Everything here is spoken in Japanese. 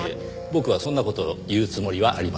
僕はそんな事を言うつもりはありません。